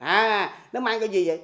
à nó mang cái gì vậy